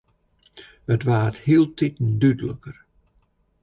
It waard hieltiten dúdliker.